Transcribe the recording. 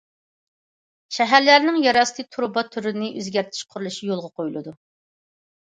شەھەرلەرنىڭ يەر ئاستى تۇرۇبا تورىنى ئۆزگەرتىش قۇرۇلۇشى يولغا قويۇلىدۇ.